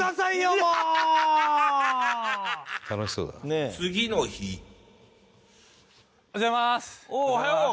おおはよう！